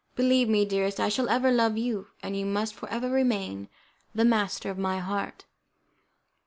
Believe me, dearest, I shall ever love you, and you must for ever remain the master of my heart."